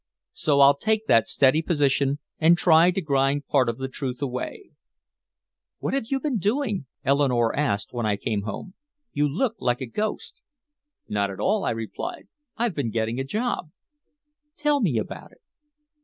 So I'll take that steady position and try to grind part of the truth away." "What have you been doing?" Eleanore asked when I came home. "You look like a ghost." "Not at all," I replied. "I've been getting a job." "Tell me about it."